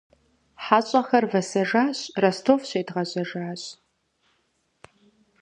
Хьэщӏэхэр вэсэжэщ Ростов щедгъэжьэжащ.